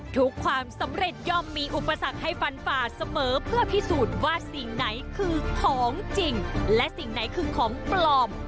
ความสำเร็จย่อมมีอุปสรรคให้ฟันฝ่าเสมอเพื่อพิสูจน์ว่าสิ่งไหนคือของจริงและสิ่งไหนคือของปลอม